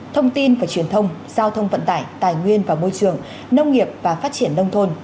thông tin và truyền thông giao thông vận tải tài nguyên và môi trường nông nghiệp và phát triển nông thôn